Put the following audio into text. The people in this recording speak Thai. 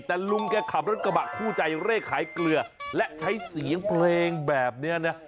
แต่ลุงแกขับรถกระบะคู่ใจเร่ขายเกลือและใช้เสียงเพลงแบบนี้นะ